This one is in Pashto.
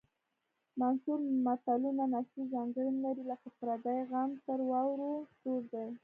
منثور متلونه نثري ځانګړنې لري لکه پردی غم تر واورو سوړ دی